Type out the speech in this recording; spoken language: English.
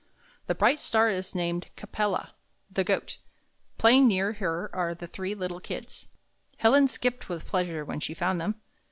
"The bright star is named Ca pel' la, the Goat. Playing near her are the three little Kids." Helen skipped with pleasure when she found them.